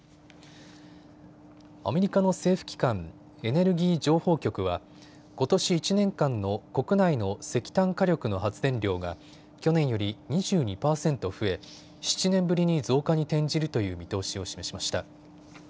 アメリカの政府機関、エネルギー情報局はことし１年間の国内の石炭火力の発電量が去年より２２％増え、７年ぶりに増加に転じるという見通しを示しました。